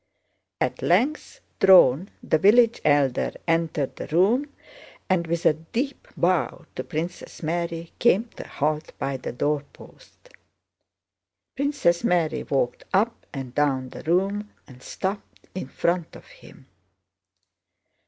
At length Dron, the village Elder, entered the room and with a deep bow to Princess Mary came to a halt by the doorpost. Princess Mary walked up and down the room and stopped in front of him.